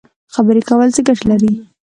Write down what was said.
خبرې کول څه ګټه لري؟